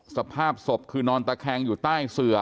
สภาพศพคือนอนตะแคงอยู่ใต้เสือ